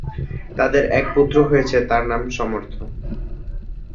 তাদের এক পুত্র রয়েছে, তার নাম সমর্থ।